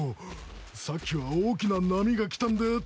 さっきは大きな波が来たんでとっさに。